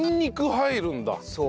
そう。